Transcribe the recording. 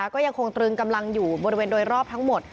ก็ยังคงตรึงกำลังอยู่บริเวณโดยรอบทั้งหมด